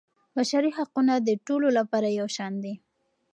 بشري حقونه د ټولو لپاره یو شان دي.